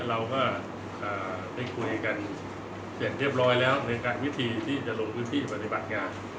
เราก็ได้คุยกันเสร็จเรียบร้อยแล้วในการวิธีที่จะลงพื้นที่ปฏิบัติงาน